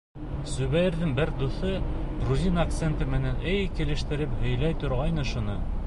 Зөбәйерҙең бер дуҫы грузин акценты менән эй килештереп һөйләй торғайны шуны.